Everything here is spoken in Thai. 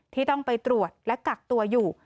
ที่ต้องไปตรวจและกักตัวอยู่